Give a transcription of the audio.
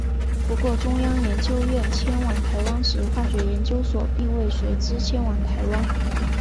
不过中央研究院迁往台湾时化学研究所并未随之迁往台湾。